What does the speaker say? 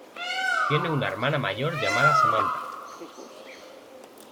Tiene una hermana mayor llamada Samantha.